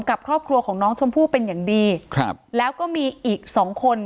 กับครอบครัวของน้องชมพู่เป็นอย่างดีครับแล้วก็มีอีกสองคน